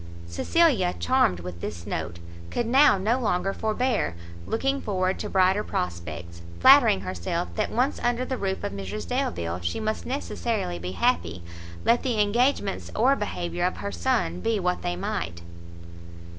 Cecilia, charmed with this note, could now no longer forbear looking forward to brighter prospects, flattering herself that once under the roof of Mrs Delvile, she must necessarily be happy, let the engagements or behaviour of her son be what they might.